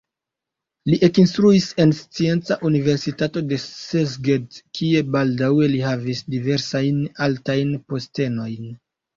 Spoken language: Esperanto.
Li ekinstruis en Scienca Universitato de Szeged, kie baldaŭe li havis diversajn altajn postenojn.